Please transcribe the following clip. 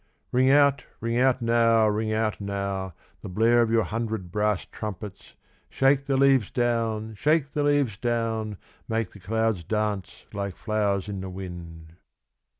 Ring out, ring out now, ring out tic The blare of your hundred brass trumpets Shake the leaves down, shake the leaves down, Make the clouds dance like flowers in the wind.